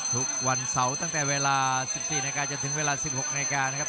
ทุกวันเสาร์ตั้งแต่เวลา๑๔นาทีจนถึงเวลา๑๖นาฬิกานะครับ